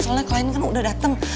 soalnya klien kan udah datang